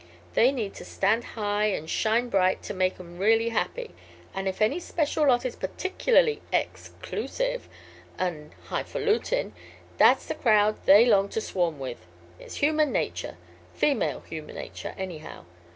They need to stand high an' shine bright to make 'em really happy, and if any special lot is particularly ex clusive an' high falutin', that's the crowd they long to swarm with. It's human nature female human nature, anyhow.